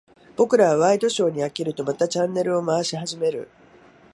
僕らはワイドショーに飽きると、またチャンネルを回し始める。